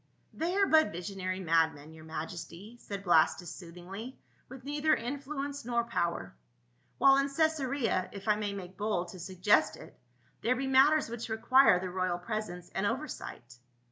" They are but visionary madmen, your majesty," said Blastus soothingly, " with neither influence nor power ; while in Caesarea — if I may make bold to suggest it — there be matters which require the royal presence and oversight."